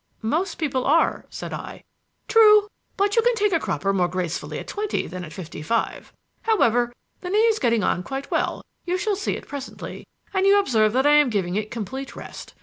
"Most people are," said I. "True; but you can take a cropper more gracefully at twenty than at fifty five. However, the knee is getting on quite well you shall see it presently and you observe that I am giving it complete rest.